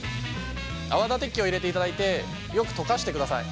泡立て器を入れていただいてよく溶かしてください。